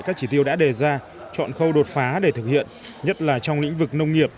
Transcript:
các chỉ tiêu đã đề ra chọn khâu đột phá để thực hiện nhất là trong lĩnh vực nông nghiệp